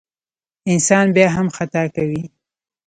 انسان بیا هم خطا کوي.